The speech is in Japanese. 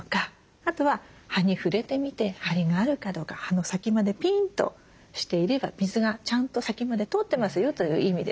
あとは葉に触れてみて張りがあるかどうか葉の先までピンとしていれば水がちゃんと先まで通ってますよという意味です。